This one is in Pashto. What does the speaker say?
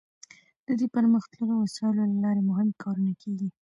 د دې پرمختللو وسایلو له لارې مهم کارونه کیږي.